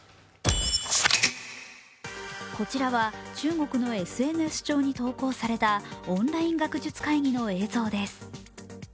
こちらは中国のＳＮＳ上に投稿されたオンライン学術会議の映像です。